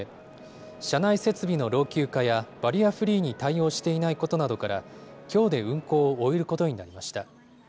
車内設備の老朽化や、バリアフリーに対応していないことなどから、きょうで運行を終えることになりました。